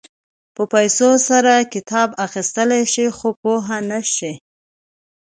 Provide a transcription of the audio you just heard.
په پیسو سره کتاب اخيستلی شې خو پوهه نه شې.